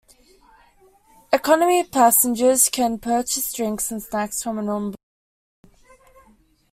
Economy passengers can purchase drinks and snacks from an onboard menu.